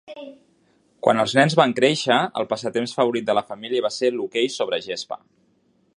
Quan els nens van créixer, el passatemps favorit de la família va ser l'hoquei sobre gespa.